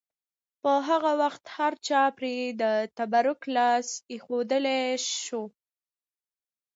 په هغه وخت هرچا پرې د تبرک لپاره لاس ایښودلی شو.